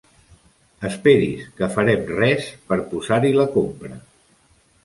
Esperi's que farem res per posar-hi la compra.